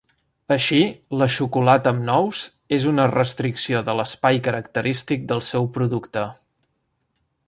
Així, la xocolata amb nous és una restricció de l'espai característic del seu producte.